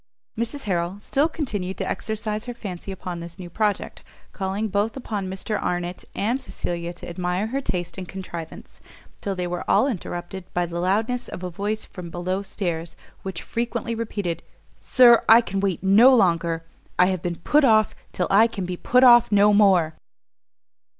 Mrs Harrel still continued to exercise her fancy upon this new project, calling both upon Mr Arnott and Cecilia to admire her taste and contrivance; till they were all interrupted by the loudness of a voice from below stairs, which frequently repeated, "Sir, I can wait no longer! I have been put off till I can be put off no more!"